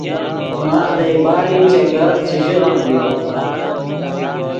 ماخ دئے باری چے گپ چے ژیغم ڤیو